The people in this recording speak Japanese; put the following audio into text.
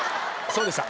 そうでした。